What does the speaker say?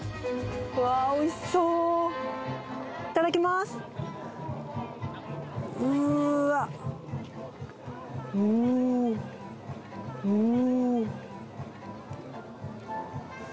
うわおいしそういただきますうーわおおおおうーん！